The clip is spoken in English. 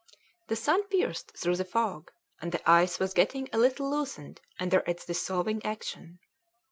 The sun pierced through the fog, and the ice was getting a little loosened under its dissolving action.